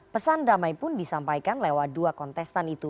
pesan damai pun disampaikan lewat dua kontestan itu